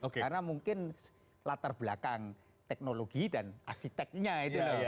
karena mungkin latar belakang teknologi dan asiteknya itu